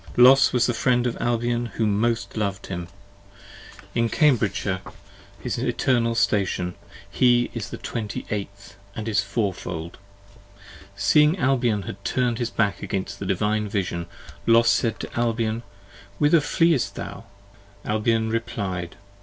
Los was the friend of Albion who most lov'd him. In Cambridgeshire 43 His eternal station, he is the twenty eighth, & is four fold. Seeing Albion had turn'd his back against the Divine Vision, 15 Los said to Albion. Whither fleest thou? Albion reply'd.